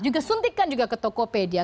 juga suntikan juga ke tokopedia